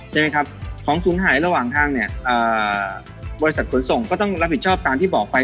ใช่ไหมครับของศูนย์หายระหว่างทางเนี่ยบริษัทขนส่งก็ต้องรับผิดชอบตามที่บอกไป